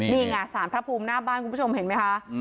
นี่ไงสารพระภูมิหน้าบ้านคุณผู้ชมเห็นไหมคะ